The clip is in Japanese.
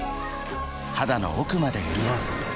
肌の奥まで潤う